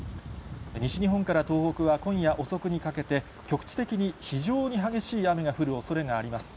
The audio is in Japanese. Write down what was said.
西日本から東北は今夜遅くにかけて、局地的に非常に激しい雨が降るおそれがあります。